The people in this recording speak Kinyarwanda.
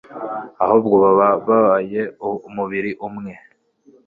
ahubwo baba baye umubiri umwe